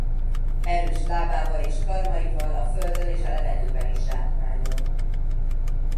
Erős lábával és karmaival a földön és a levegőben is zsákmányol.